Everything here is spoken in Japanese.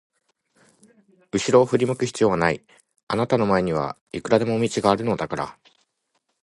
うしろを振り向く必要はない、あなたの前にはいくらでも道があるのだから。